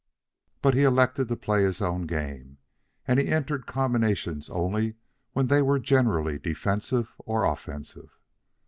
But he elected to play his own game, and he entered combinations only when they were generally defensive or offensive.